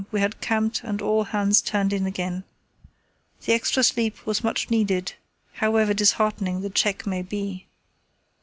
we had camped and all hands turned in again. The extra sleep was much needed, however disheartening the check may be."